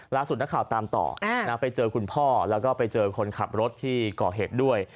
ล่าสุดนักข่าวตามต่อไปเจอคุณพ่อแล้วก็ไปเจอคนขับรถที่ก่อเหตุด้วย